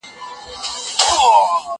موسيقي واوره؟